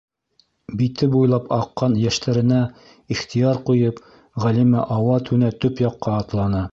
- Бите буйлап аҡҡан йәштәренә ихтыяр ҡуйып, Ғәлимә ауа-түнә төп яҡҡа атланы.